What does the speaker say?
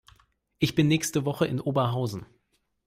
Ich bin nächste Woche in Oberhausen